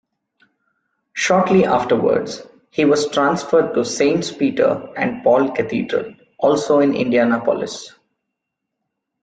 Shortly afterwards, he was transferred to Saints Peter and Paul Cathedral, also in Indianapolis.